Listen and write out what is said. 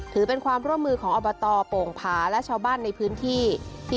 ถือเป็นความร่วมมือของอบตโป่งผาและชาวบ้านในพื้นที่